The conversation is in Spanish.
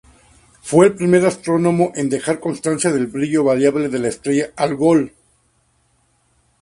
Fue el primer astrónomo en dejar constancia del brillo variable de la estrella Algol.